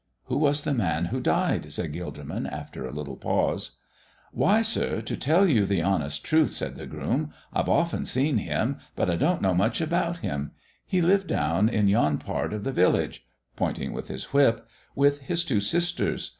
"Who was the man who died?" said Gilderman, after a little pause. "Why, sir, to tell you the honest truth," said the groom, "I've often seen him, but I don't know much about him. He lived down in yon part of the village" pointing with his whip "with his two sisters.